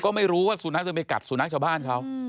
ก็ไม่รู้ว่าสุนัขจะไปกัดสุนัขชาวบ้านเขา